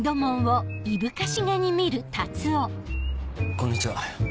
こんにちは。